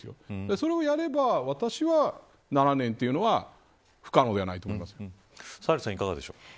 それをやれば私は、７年というのはサヘルさんいかがでしょう。